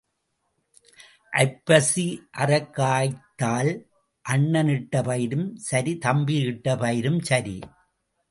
ஐப்பசி அறக் காய்ந்தால் அண்ணன் இட்ட பயிரும் சரி தம்பி இட்ட பயிரும் சரி.